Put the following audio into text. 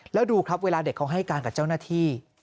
แล้วดูครับเวลาเด็กเขาให้การกับเจ้าหน้าที่